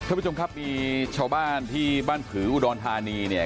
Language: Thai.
ท่านผู้ชมครับมีชาวบ้านที่บ้านผืออุดรธานีเนี่ย